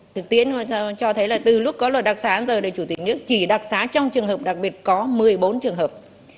thực tiễn cho thấy là từ lúc có luật đặc xá giờ là chủ tịch nước chỉ đặc xá trong trường hợp đặc biệt có một mươi bốn trường hợp